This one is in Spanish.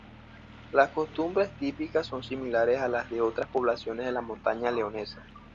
Las costumbres típicas son similares a las de otras poblaciones de la montaña leonesa.